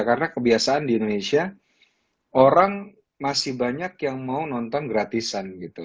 karena kebiasaan di indonesia orang masih banyak yang mau nonton gratisan gitu